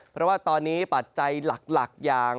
เพราะว่าตอนนี้ปัจจัยหลักอย่าง